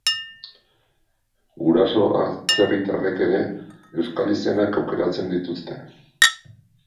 Guraso atzerritarrek ere euskal izenak aukeratzen dituzte.